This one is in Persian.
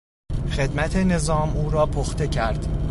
خدمت نظام او را پخته کرد.